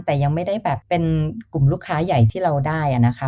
แต่ยังไม่ได้แบบเป็นกลุ่มลูกค้าใหญ่ที่เราได้นะคะ